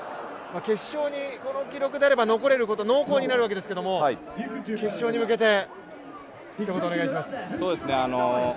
決勝にこの記録であれば残れること濃厚になるわけですが決勝に向けてひと言お願いします。